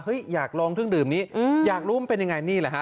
เฮ้ยอยากลองเครื่องดื่มนี้อยากรุ้มเป็นยังไงนี่ล่ะค่ะ